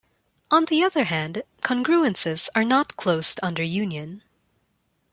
On the other hand, congruences are not closed under union.